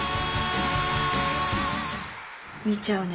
見ちゃうね。